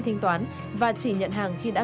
thính toán và chỉ nhận hàng khi đã